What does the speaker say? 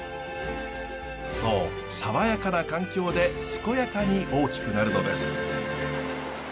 そう爽やかな環境で健やかに大きくなるのです。